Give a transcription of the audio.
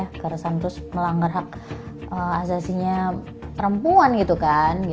kekerasan terus melanggar hak asasinya perempuan gitu kan